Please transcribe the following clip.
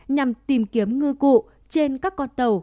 nhằm tìm kiếm ngư cụ trên các con tàu